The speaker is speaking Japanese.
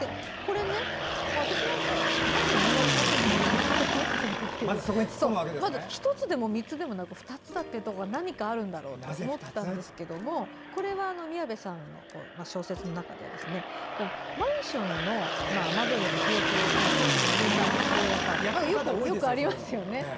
私なんかなぜ実は２つなんだろうとか１つでも３つでもなくて２つというところに何かあるんだろうと思ったんですけどこれは宮部さんの小説の中ではマンションの窓の日よけ対策で植えたゴーヤカーテンよくありますよね。